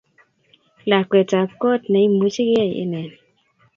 Lakwetab goot neimuchige ine